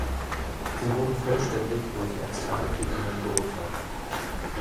Sie wurden vollständig durch externe Prüfungen beurteilt.